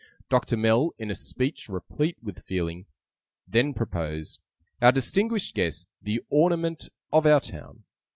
Doctor Mell, in a speech replete with feeling, then proposed "Our distinguished Guest, the ornament of our town.